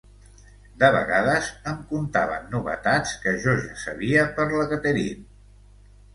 De vegades em contaven novetats que jo ja sabia per la Catherine.